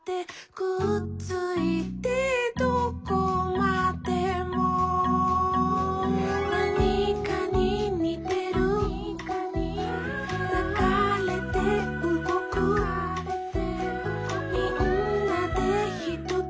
「くっついてどこまでも」「なにかににてる」「ながれてうごく」「みんなでひとつ」